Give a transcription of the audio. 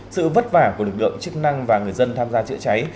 sự vất vả của lực lượng chức năng và người dân tham gia chữa cháy